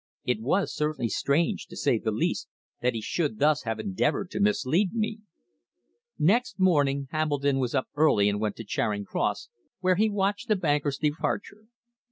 It was certainly strange, to say the least, that he should thus have endeavoured to mislead me. Next morning Hambledon was up early and went to Charing Cross, where he watched the banker's departure.